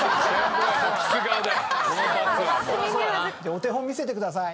お手本見せてください。